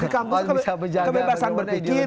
kampus kebebasan berpikir